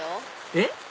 えっ？